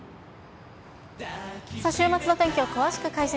さあ、週末の天気を詳しく解説。